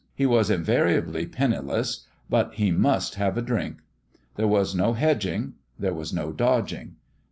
He was invariably penniless ; but he must have a drink. There was no hedging : there was no dodging.